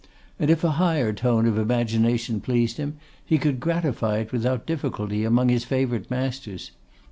And if a higher tone of imagination pleased him, he could gratify it without difficulty among his favourite masters.